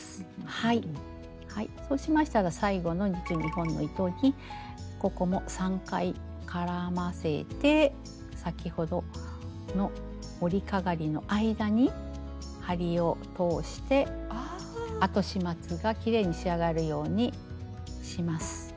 はいそうしましたら最後の２２本の糸にここも３回絡ませて先ほどの織りかがりの間に針を通して後始末がきれいに仕上がるようにします。